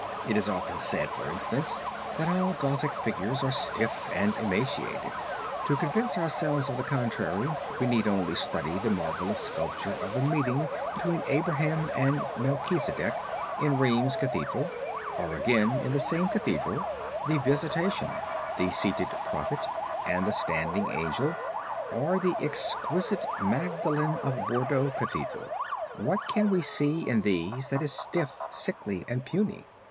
It is often said, for instance, that all Gothic figures are stiff and emaciated. To convince ourselves of the contrary we need only study the marvelous sculpture of the meeting between Abraham and Melchisedech, in Rheims Cathedral; or again in the same Cathedral, the Visitation, the seated Prophet, and the standing Angel, or the exquisite Magdalen of Bordeaux Cathedral. What can we see in these that is stiff, sickly, and puny?